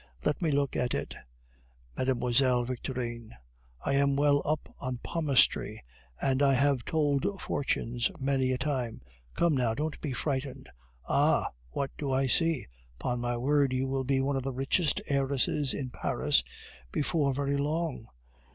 Let me look at it, Mlle. Victorine; I am well up in palmistry, and I have told fortunes many a time. Come, now, don't be frightened. Ah! what do I see? Upon my word, you will be one of the richest heiresses in Paris before very long.